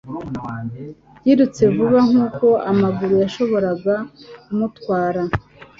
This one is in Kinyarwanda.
Yirutse vuba nkuko amaguru yashoboraga kumutwara.